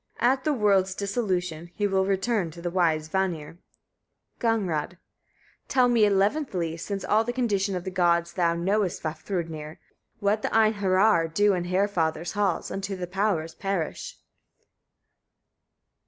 At the world's dissolution, he will return to the wise Vanir. Gagnrâd. 40. Tell me eleventhly, since all the condition of the gods thou knowest, Vafthrûdnir! what the Einheriar do in Haerfather's halls, until the powers perish?